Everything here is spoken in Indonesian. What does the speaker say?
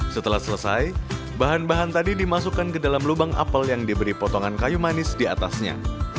setelah selesai bahan bahan tadi dimasukkan ke dalam lubang apel yang diberi potongan kayu manis di atasnya